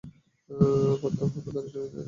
বাদ দাও, আমি গাড়ি ঠেলে নিয়ে যাব।